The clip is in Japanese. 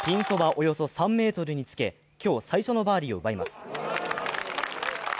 およそ３ｍにつけ、今日最初のバーディーを奪います。